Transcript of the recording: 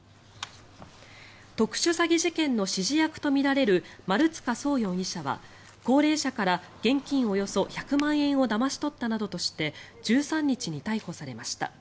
特殊詐欺事件の指示役とみられる丸塚創容疑者は高齢者から現金およそ１００万円をだまし取ったなどとして１３日に逮捕されました。